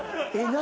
何？